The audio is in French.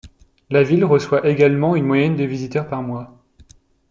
La ville reçoit également une moyenne de visiteurs par mois.